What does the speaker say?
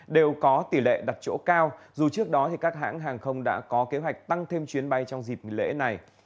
đều có tỷ lệ đặt chỗ cao dù trước đó các hãng hàng không đã có kế hoạch tăng thêm chuyến bay trong dịp nghỉ lễ này